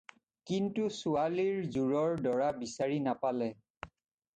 কিন্তু ছোৱালীৰ যোৰৰ দৰা বিচাৰি নাপালে।